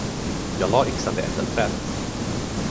Jag lade yxan vid äppelträdet.